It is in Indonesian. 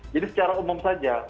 jadi secara umum saja